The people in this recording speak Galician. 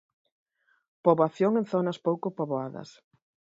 Poboación en Zonas Pouco Poboadas.